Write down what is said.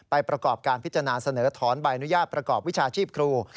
ประกอบการพิจารณาเสนอถอนใบอนุญาตประกอบวิชาชีพครู